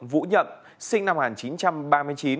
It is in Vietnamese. vũ nhậm sinh năm một nghìn chín trăm ba mươi chín